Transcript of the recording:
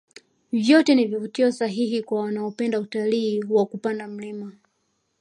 vyote ni vivutio sahihi kwa wanaopenda utalii wa kupanda milima